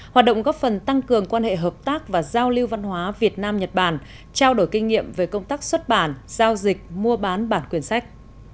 hoạt động góp phần tăng cường quan hệ hợp tác và giao lưu văn hóa việt nam nhật bản trao đổi kinh nghiệm về công tác xuất bản giao dịch mua bán bản quyền sách